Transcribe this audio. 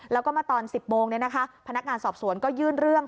แล้วก็มาตอน๑๐โมงพนักงานสอบสวนก็ยื่นเรื่อง